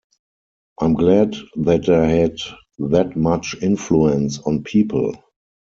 I'm glad that I had that much influence on people.